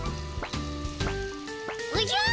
おじゃ！